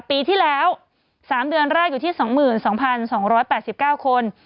ปีที่แล้ว๓เดือนแรกอยู่ที่๒๒๘๙คน